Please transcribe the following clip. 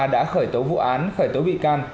đã khởi tố vụ án khởi tố bị can